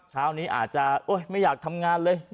เช้านี้อาจจะไม่อยากทำงานเลย